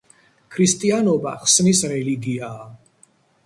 ქრისტიანობა ხსნის რელიგიაა.